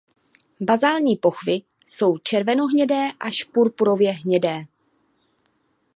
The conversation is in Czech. Bazální pochvy jsou červenohnědé až purpurově hnědé.